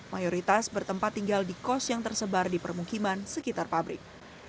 mayoritas bertempat tinggal di kos yang tersebar di permukiman sekitar pabrik